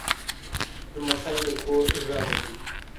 لمسی د کور غږ دی.